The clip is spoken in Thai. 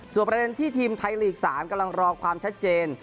ส่วนประเด็นที่ทีมไทยลีก๓กำลังรอความชัดเจน